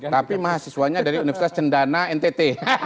tapi mahasiswanya dari universitas cendana ntt